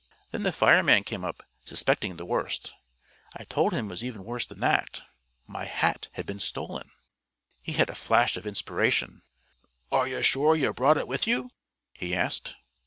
Then the fireman came up, suspecting the worst. I told him it was even worse than that my hat had been stolen. He had a flash of inspiration. "Are you sure you brought it with you?" he asked.